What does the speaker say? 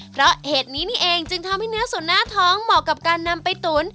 เพราะเหตุนี้นี่เองจึงทำให้เนื้อส่วนหน้าท้องเหมาะกับการนำไปตุ๋น